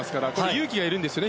勇気がいるんですよね。